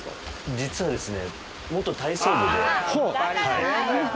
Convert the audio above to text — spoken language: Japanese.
実はですね。